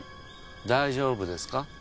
大丈夫ですか？